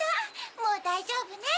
もうだいじょうぶね。